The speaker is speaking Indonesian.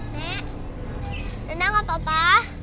nenek gak apa apa